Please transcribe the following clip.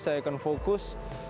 saya akan fokus